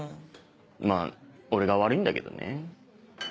まぁ俺が悪いんだけどね。